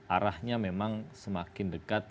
arahnya memang semakin dekat